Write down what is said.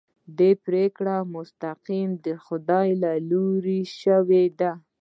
دې پرېکړه مستقیماً د خدای له لوري شوې ده.